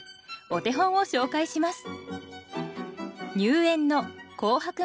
お手本を紹介します。